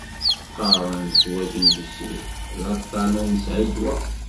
Qaren zzwaǧ n bessif, d aṭṭan ur nesεi ddwa.